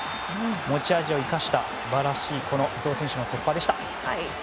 持ち味を生かした素晴らしい伊東選手の突破でした。